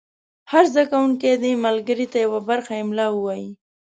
هر زده کوونکی دې ملګري ته یوه برخه املا ووایي.